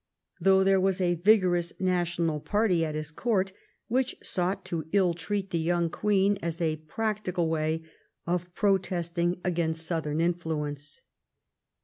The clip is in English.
though there was a vigorous national party at his court which sought to ill treat the young queen as a practical way of protesting against southern influence.